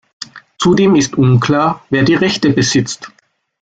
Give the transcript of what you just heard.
Zudem ist unklar, wer die Rechte besitzt.